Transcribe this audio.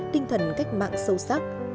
tinh thần cách mạng sâu sắc